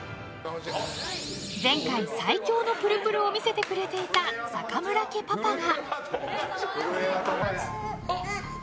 前回、最強のプルプルを見せてくれていた坂村家パパが。